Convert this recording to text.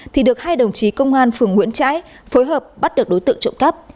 thì được hai đồng chí công an phường nguyễn trãi phối hợp bắt được đối tượng trộm cắp